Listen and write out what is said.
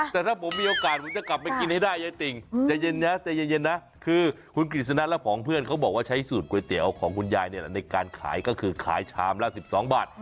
แต่ถ้าผมมีโอกาสผมจะกลับไปกินให้ได้ยายติ่งใจเย็นนะใจเย็นนะคือคุณกฤษณะและผองเพื่อนเขาบอกว่าใช้สูตรก๋วยเตี๋ยวของคุณยายเนี่ยในการขายก็คือขายชามละ๑๒บาท